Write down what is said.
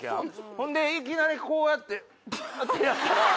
ほんでいきなりこうやってこうやってやったら。